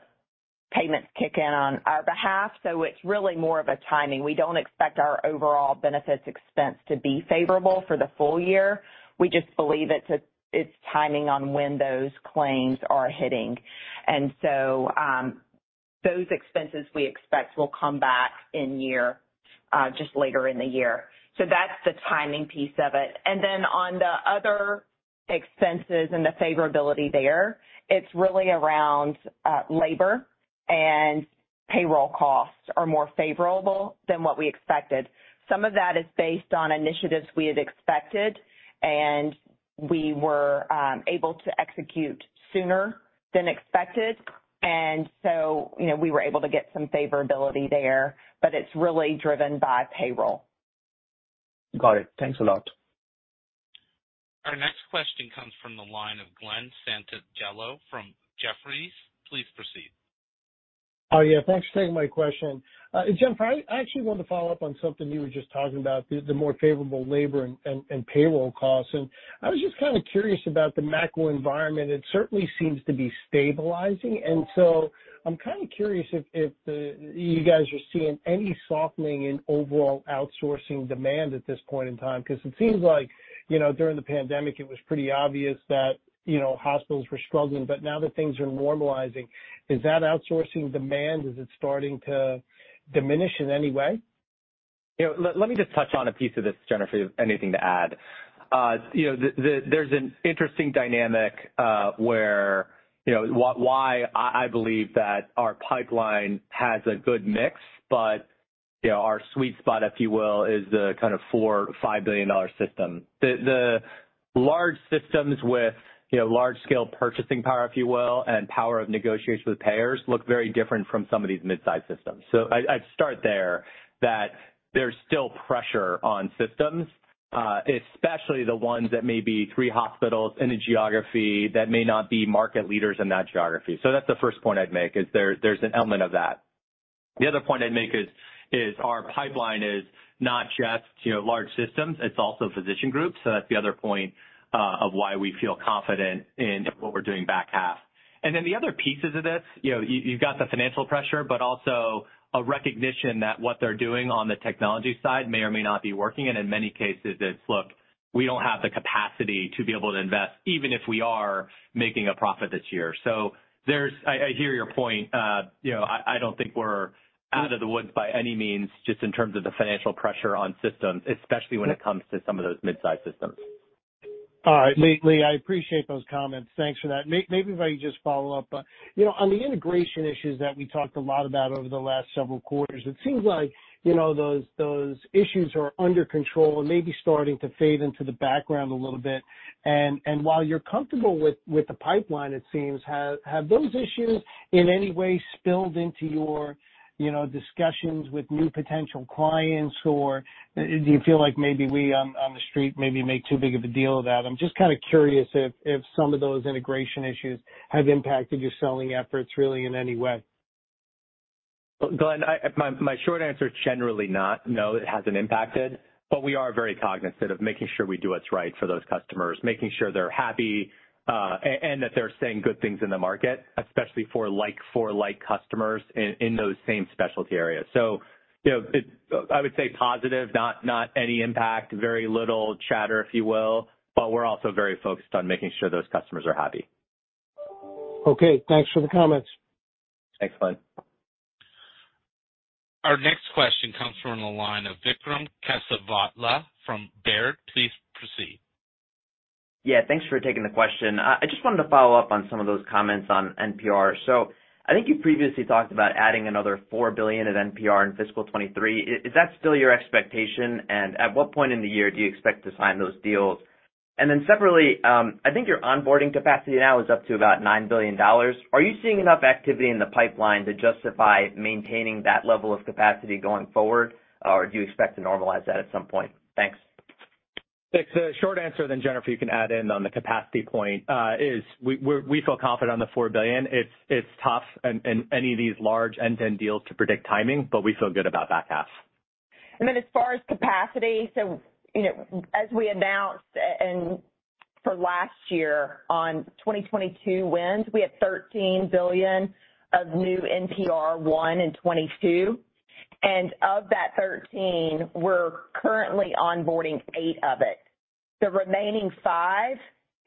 payments kick in on our behalf. It's really more of a timing. We don't expect our overall benefits expense to be favorable for the full year. We just believe it's timing on when those claims are hitting. Those expenses we expect will come back in year, just later in the year. That's the timing piece of it. On the other expenses and the favorability there, it's really around labor and payroll costs are more favorable than what we expected. Some of that is based on initiatives we had expected, and we were able to execute sooner than expected. You know, we were able to get some favorability there, but it's really driven by payroll. Got it. Thanks a lot. Our next question comes from the line of Glenn Santangelo from Jefferies. Please proceed. Oh, yeah. Thanks for taking my question. Jennifer, I actually wanted to follow up on something you were just talking about, the more favorable labor and payroll costs. I was just kinda curious about the macro environment. It certainly seems to be stabilizing, so I'm kinda curious if you guys are seeing any softening in overall outsourcing demand at this point in time, 'cause it seems like, you know, during the pandemic it was pretty obvious that, you know, hospitals were struggling. Now that things are normalizing, is that outsourcing demand starting to diminish in any way? You know, let me just touch on a piece of this, Jennifer, if you have anything to add. You know, the... There's an interesting dynamic, where, you know, why I believe that our pipeline has a good mix, but yeah, our sweet spot, if you will, is the kind of 4, 5 billion dollar system. The large systems with, you know, large scale purchasing power, if you will, and power of negotiation with payers look very different from some of these mid-size systems. I'd start there, that there's still pressure on systems, especially the ones that may be three hospitals in a geography that may not be market leaders in that geography. That's the first point I'd make, is there's an element of that. The other point I'd make is our pipeline is not just, you know, large systems, it's also physician groups. That's the other point of why we feel confident in what we're doing back half. The other pieces of this, you know, you've got the financial pressure, but also a recognition that what they're doing on the technology side may or may not be working. In many cases, it's look, we don't have the capacity to be able to invest, even if we are making a profit this year. I hear your point. You know, I don't think we're out of the woods by any means, just in terms of the financial pressure on systems, especially when it comes to some of those mid-size systems. All right, Lee, I appreciate those comments. Thanks for that. Maybe if I could just follow up. You know, on the integration issues that we talked a lot about over the last several quarters, it seems like, you know, those issues are under control and may be starting to fade into the background a little bit. While you're comfortable with the pipeline, it seems, have those issues in any way spilled into your, you know, discussions with new potential clients? Do you feel like maybe we on The Street maybe make too big of a deal of that? I'm just kind of curious if some of those integration issues have impacted your selling efforts really in any way. Glen, my short answer is generally not. No, it hasn't impacted, but we are very cognizant of making sure we do what's right for those customers, making sure they're happy, and that they're saying good things in the market, especially for like for like customers in those same specialty areas. You know, I would say positive, not any impact, very little chatter, if you will, but we're also very focused on making sure those customers are happy. Okay, thanks for the comments. Thanks, Glenn. Our next question comes from the line of Vikram Kesavabhotla from Baird. Please proceed. Yeah, thanks for taking the question. I just wanted to follow up on some of those comments on NPR. I think you previously talked about adding another $4 billion of NPR in fiscal 2023. Is that still your expectation? At what point in the year do you expect to sign those deals? Separately, I think your onboarding capacity now is up to about $9 billion. Are you seeing enough activity in the pipeline to justify maintaining that level of capacity going forward? Do you expect to normalize that at some point? Thanks. It's a short answer, then Jennifer, you can add in on the capacity point, is we feel confident on the $4 billion. It's, it's tough in any of these large end-to-end deals to predict timing, but we feel good about that half. As far as capacity, you know, as we announced for last year on 2022 wins, we had $13 billion of new NPR won in 22. Of that 13, we're currently onboarding 8 of it. The remaining 5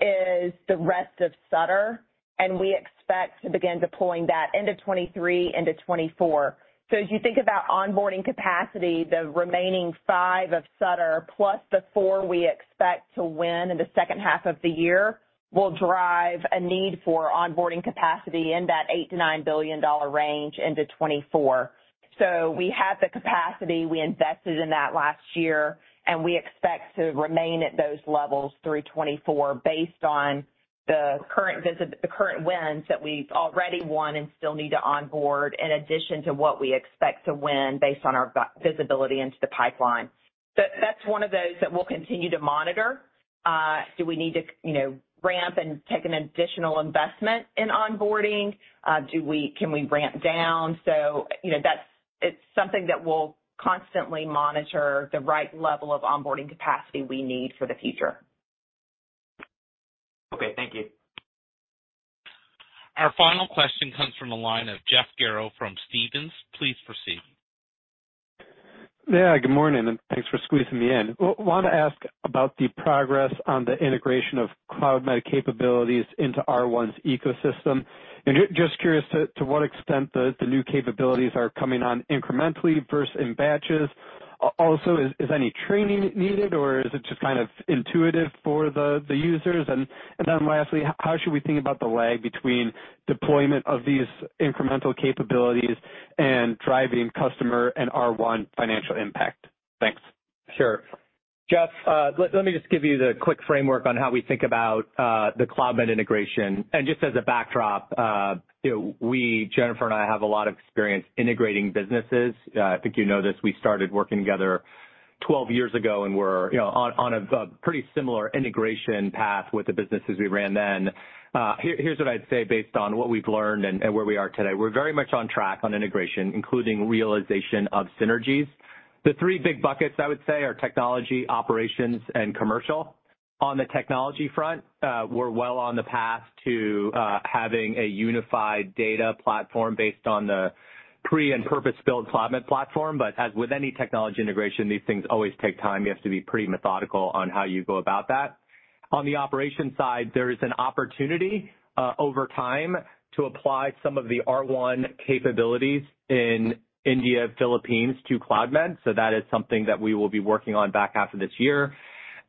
is the rest of Sutter, and we expect to begin deploying that into 2023, into 2024. As you think about onboarding capacity, the remaining 5 of Sutter, plus the 4 we expect to win in the second half of the year, will drive a need for onboarding capacity in that $8 billion-$9 billion range into 2024. We have the capacity. We invested in that last year, we expect to remain at those levels through 2024 based on the current wins that we've already won and still need to onboard, in addition to what we expect to win based on our visibility into the pipeline. That's one of those that we'll continue to monitor. Do we need to, you know, ramp and take an additional investment in onboarding? Can we ramp down? You know, it's something that we'll constantly monitor the right level of onboarding capacity we need for the future. Okay, thank you. Our final question comes from the line of Jeff Garro from Stephens. Please proceed. Yeah, good morning, and thanks for squeezing me in. Want to ask about the progress on the integration of CloudMed capabilities into R1's ecosystem. Just curious to what extent the new capabilities are coming on incrementally versus in batches. Also, is any training needed, or is it just kind of intuitive for the users? Lastly, how should we think about the lag between deployment of these incremental capabilities and driving customer and R1 financial impact? Thanks. Sure. Jeff, let me just give you the quick framework on how we think about the CloudMed integration. Just as a backdrop, you know, we, Jennifer and I, have a lot of experience integrating businesses. I think you know this, we started working together 12 years ago and we're, you know, on a pretty similar integration path with the businesses we ran then. Here's what I'd say based on what we've learned and where we are today. We're very much on track on integration, including realization of synergies. The three big buckets I would say are technology, operations, and commercial. On the technology front, we're well on the path to having a unified data platform based on the pre and purpose-built CloudMed platform. As with any technology integration, these things always take time. You have to be pretty methodical on how you go about that. On the operations side, there is an opportunity, over time to apply some of the R1 capabilities in India, Philippines to CloudMed. That is something that we will be working on back half of this year.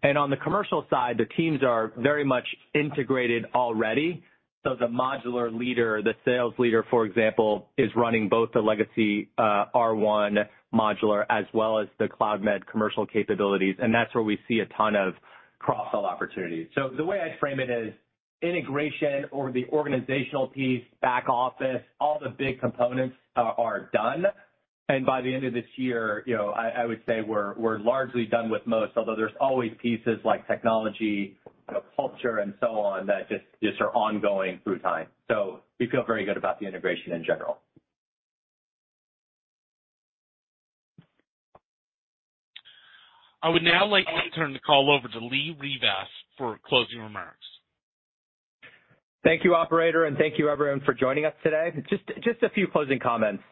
On the commercial side, the teams are very much integrated already. The modular leader, the sales leader, for example, is running both the legacy, R1 modular as well as the CloudMed commercial capabilities. That's where we see a ton of cross-sell opportunities. The way I'd frame it is integration or the organizational piece, back office, all the big components are done. By the end of this year, you know, I would say we're largely done with most, although there's always pieces like technology, you know, culture and so on that are ongoing through time. We feel very good about the integration in general. I would now like to turn the call over to Lee Rivas for closing remarks. Thank you, operator, and thank you everyone for joining us today. Just a few closing comments.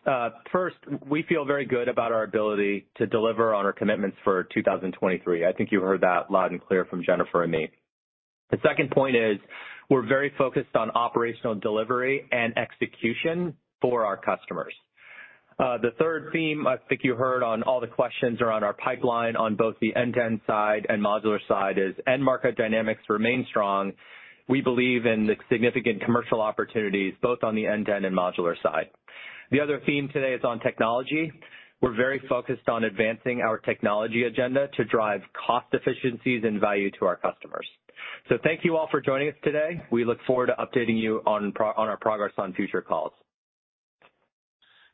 First, we feel very good about our ability to deliver on our commitments for 2023. I think you heard that loud and clear from Jennifer and me. The second point is we're very focused on operational delivery and execution for our customers. The third theme, I think you heard on all the questions around our pipeline on both the end-to-end side and modular side is end market dynamics remain strong. We believe in the significant commercial opportunities both on the end-to-end and modular side. The other theme today is on technology. We're very focused on advancing our technology agenda to drive cost efficiencies and value to our customers. Thank you all for joining us today. We look forward to updating you on our progress on future calls.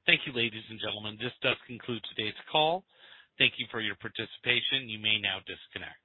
Thank you, ladies and gentlemen. This does conclude today's call. Thank you for your participation. You may now disconnect.